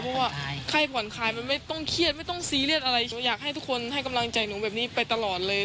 เพราะว่าไข้ผ่อนคลายมันไม่ต้องเครียดไม่ต้องซีเรียสอะไรหนูอยากให้ทุกคนให้กำลังใจหนูแบบนี้ไปตลอดเลย